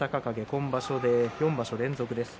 今場所で４場所連続です。